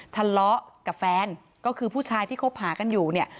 ทะเลาะกับแฟนก็คือผู้ชายที่คบหากันอยู่เนี่ย